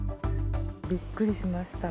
びっくりしました。